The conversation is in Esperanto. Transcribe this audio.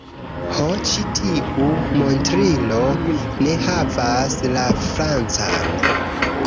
Ho ĉi tiu montrilo ne havas la francan